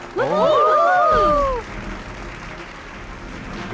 ครูพูครูพู